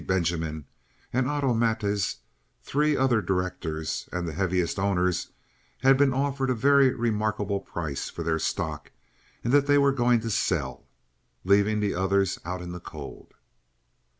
Benjamin, and Otto Matjes, three other directors and the heaviest owners, had been offered a very remarkable price for their stock, and that they were going to sell, leaving the others out in the cold.